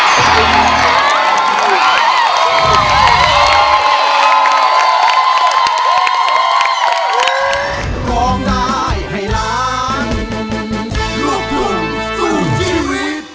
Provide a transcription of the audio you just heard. ลองได้ครับ